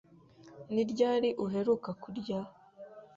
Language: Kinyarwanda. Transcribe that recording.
Ni ryari uheruka kurya?